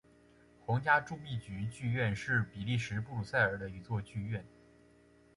皇家铸币局剧院是比利时布鲁塞尔的一座剧院。